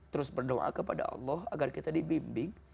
terus berdoa kepada allah agar kita dibimbing